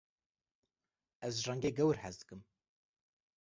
Ez ji rengê gewr hez dikim.